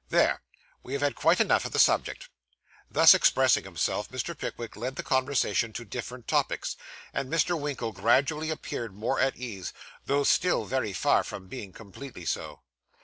There. We have had quite enough of the subject.' Thus expressing himself, Mr. Pickwick led the conversation to different topics, and Mr. Winkle gradually appeared more at ease, though still very far from being completely so.